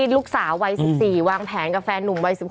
ลูกสาววัย๑๔วางแผนกับแฟนหนุ่มวัย๑๖